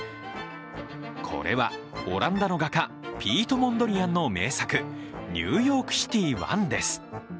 これはオランダの画家ピート・モンドリアンの名作「ニューヨークシティⅠ」です。